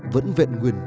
vẫn vẹn nguyền